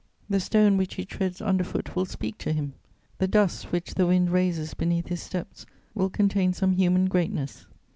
The stone which he treads under foot will speak to him; the dust which the wind raises beneath his steps will contain some human greatness.